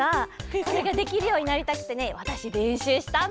これができるようになりたくてねわたしれんしゅうしたんだ！